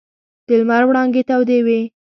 د لمر وړانګې تودې وې.